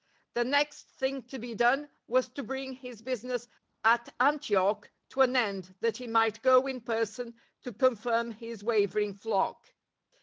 The next thing to be done w^as to bring his business at Antioch to an end that he might go in person to confirm his wavering flock.